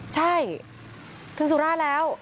ใช่ถึงสุราชแล้ว